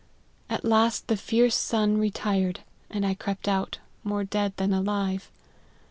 At last the fierce sun retired, and I crept out, more dead than alive.